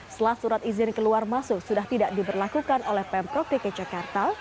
setelah surat izin keluar masuk sudah tidak diberlakukan oleh pemprov dki jakarta